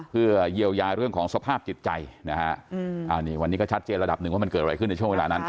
เพื่อเยียวยาเรื่องของสภาพจิตใจนะฮะอันนี้ก็ชัดเจนระดับหนึ่งว่ามันเกิดอะไรขึ้นในช่วงเวลานั้น